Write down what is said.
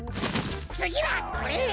つぎはこれ！